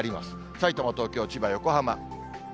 さいたま、東京、千葉、横浜。